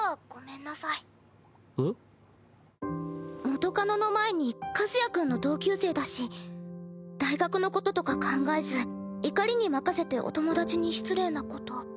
元カノの前に和也君の同級生だし大学のこととか考えず怒りに任せてお友達に失礼なこと。